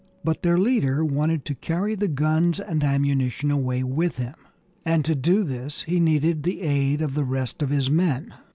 But their leader wanted to carry the guns and ammunition away with him, and to do this he needed the aid of the rest of his men.